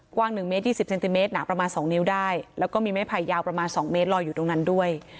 กว้างหนึ่งเมตรยี่สิบเซนติเมตรหนาประมาณสองนิ้วได้แล้วก็มีแม่ภัยยาวประมาณสองเมตรรออยู่ตรงนั้นด้วย